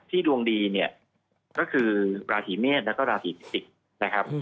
ดวงดีเนี่ยก็คือราศีเมษแล้วก็ราศีพิจิกษ์นะครับ